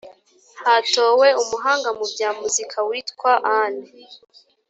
hatowe umuhanga mu bya muzika witwa ane.